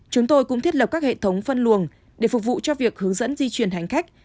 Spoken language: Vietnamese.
chúng tôi cũng thiết lập các hệ thống phân luồng để phục vụ cho việc hướng dẫn di chuyển hành khách